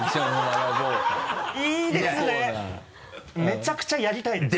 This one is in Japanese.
めちゃくちゃやりたいです。